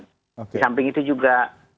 di samping itu juga